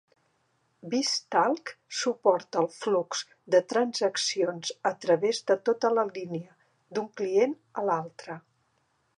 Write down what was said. BizTalk suporta el flux de transaccions a través de tota la línia, d'un client a l'altre.